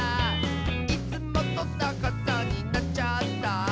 「いつもとさかさになっちゃった」